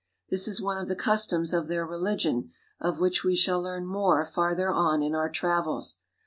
This is one of the customs of their religion, of which we shall learn more farther on in our travels.